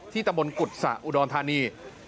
ที่ตะมนต์กุศอุดรธานี